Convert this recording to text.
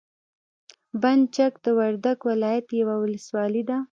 بند چک د وردګو ولایت یوه ولسوالي ده.